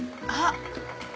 あっ！